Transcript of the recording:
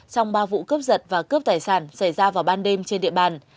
trong ba vụ cướp giật và cướp tài sản xảy ra vào ban đêm trên địa bàn